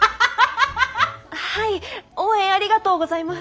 はい応援ありがとうございます。